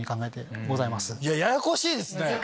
ややこしいですね！